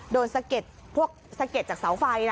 โดนสะเก็ดจากเสาไฟ